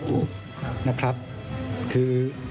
มีความรู้สึกว่ามีความรู้สึกว่า